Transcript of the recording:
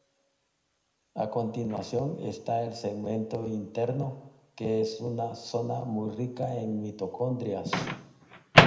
A continuación está el segmento interno, que es una zona muy rica en mitocondrias.